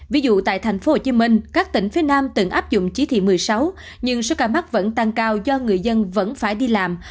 ví dụ tại tp hcm các tỉnh phía nam từng áp dụng chỉ thị một mươi sáu nhưng số ca mắc vẫn tăng cao do người dân vẫn phải đi làm